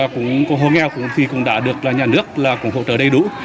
còn hồ nghèo cũng đã được nhà nước hỗ trợ đầy đủ